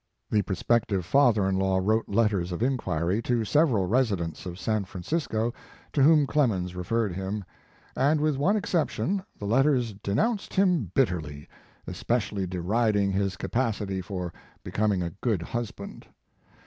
The prospective father in law wrote letters of inquiry to several residents of San Francisco, to whom Clemens referred him, and with one exception, the letters denounced him bitterly, especially derid ing his capacity for becoming a good husband.